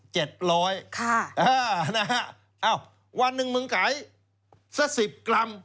เจ็ดร้อยค่ะอ่านะฮะอ้าววันนึงมึงขายซะสิบกรัม